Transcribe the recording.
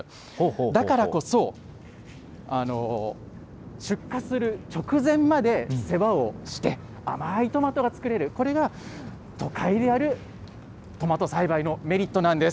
だからこそ、出荷する直前まで世話をして、甘ーいトマトが作れる、これが都会でやるトマト栽培のメリットなんです。